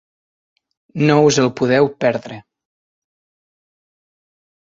No us el podeu perdre.